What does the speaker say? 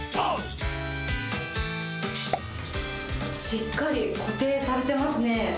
しっかり固定されてますね。